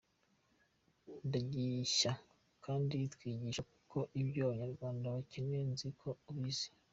Ntagishya kandi nkwigisha kuko ibyo abanyarwanda bakeneye nzi ko ubizi.